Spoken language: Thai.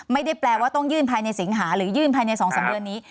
ไม่ได้แปลว่าต้องยื่นภายในสิงหาหรือยื่นภายใน๒๓เดือนนี้